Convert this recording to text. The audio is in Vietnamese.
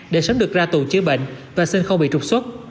để sớm được ra tù chữa bệnh và xin không bị trục xuất